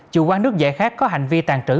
chủ quán nước giải khác có hành vi tàn trữ